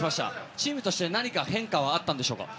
チームとして変化はあったんでしょうか。